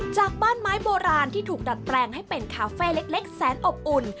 จากบ้านไม้โบราณที่ถูกดัดแปลงให้เป็นคาเฟ่เล็กแสนอบอุ่น